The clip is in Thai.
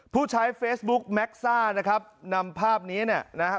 ผู้ใช้เฟซบุ๊กแม็กซ่านะครับนำภาพนี้เนี่ยนะฮะ